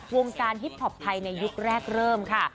วงการฮิปพอปไทยในยุคแรกเริ่มค่ะ